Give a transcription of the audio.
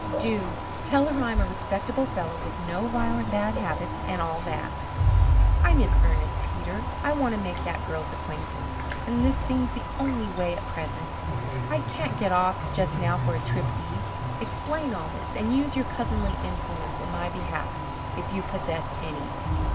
"Do. Tell her I'm a respectable fellow with no violent bad habits and all that. I'm in earnest, Peter. I want to make that girl's acquaintance, and this seems the only way at present. I can't get off just now for a trip east. Explain all this, and use your cousinly influence in my behalf if you possess any."